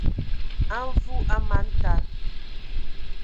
A Mvu a man taa,